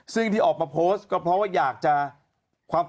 ซึ่งที่ออกมาโพสต์ก็เพราะว่าอยากจะความ